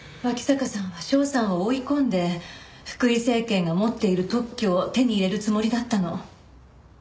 脇坂さんは翔さんを追い込んで福井精研が持っている特許を手に入れるつもりだったの。